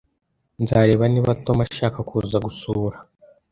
Nzareba niba Tom ashaka kuza gusura